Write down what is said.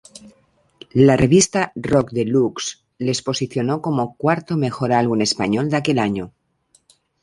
La revista Rockdelux les posicionó como cuarto mejor álbum español de aquel año.